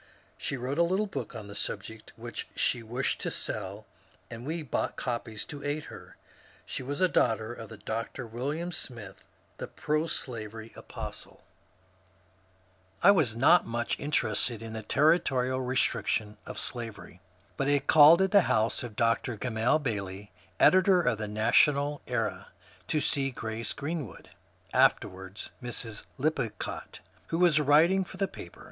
She wrote a little book on the subject which she wished to sell, and we bought copies to aid her. She was a daughter of Dr. William Smith, the proslavery apostle. 114 MONCURE DANIEL CONWAY I was not much interested in the territorial restriction of slavery, but had called at the house of Dr. Gamaliel Bailey, editor of the National Era," to see Grace Greenwood " (afterwards Mrs. Lippincott), who was writing for the paper.